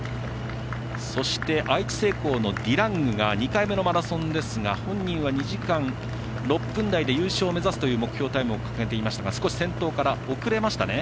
そして、愛知製鋼のディラングが２回目のマラソンですが２時間６分台で優勝を目指すという目標を掲げていましたが少し先頭から遅れましたね。